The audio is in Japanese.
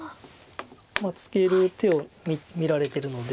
ツケる手を見られてるので。